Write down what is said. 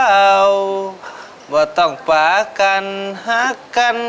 เบื่อต้องปากั้นหากั้น